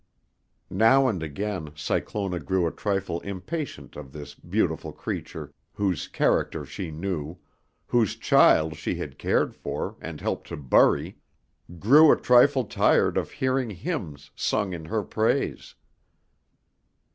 Now and again Cyclona grew a trifle impatient of this beautiful creature whose character she knew, whose child she had cared for and helped to bury, grew a trifle tired of hearing hymns sung in her praise.